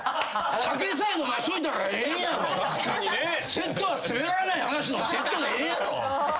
セットは『すべらない話』のセットでええやろ。